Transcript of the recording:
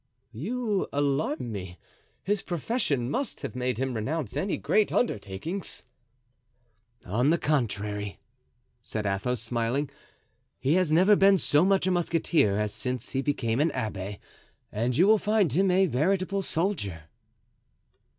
"You alarm me; his profession must have made him renounce any great undertakings." "On the contrary," said Athos, smiling, "he has never been so much a musketeer as since he became an abbé, and you will find him a veritable soldier."